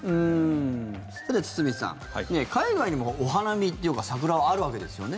さて、堤さん海外にもお花見というか桜はあるわけですよね。